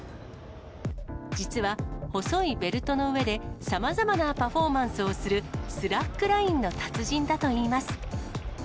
実は、細いベルトの上でさまざまなパフォーマンスをする、スラックラインの達人だといいます。